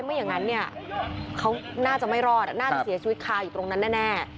ไม่อย่างนั้นเนี่ยเขาน่าจะไม่รอดน่าจะเสียชีวิตคาอยู่ตรงนั้นแน่